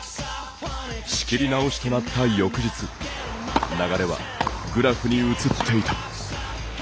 仕切り直しとなった翌日流れはグラフに移っていた。